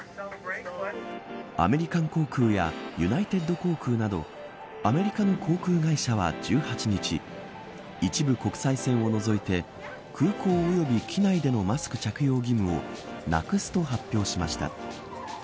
アメリカン航空やユナイテッド航空などアメリカの航空会社は１８日一部国際線を除いて空港および機内でのマスク着用義務をなくすと発表しました。